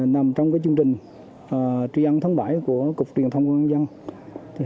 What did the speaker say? nằm trong chương trình tri ân tháng bảy của cục truyền thông công an dân